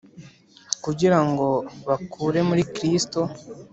kugirango bakure muri Kristo